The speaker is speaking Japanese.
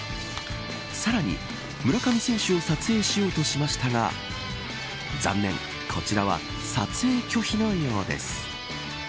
さらに、村上選手を撮影しようとしましたが残念、こちらは撮影拒否のようです。